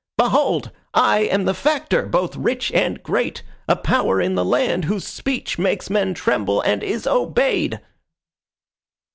Behold! I am the Factor, both rich and great, a power in the land, whose speech makes men tremble and is obeyed!"